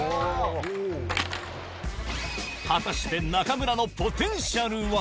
果たして、中村のポテンシャルは。